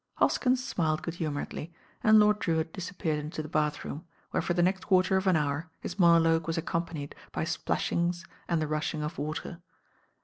Hoskins smiled good humouredly, and Lord Drewitt disappeared into the bathroom, where for the next quarter of an hour his monologue was ac companied by splashings and the rushing of water.